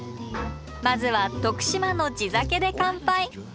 まずは徳島の地酒で乾杯。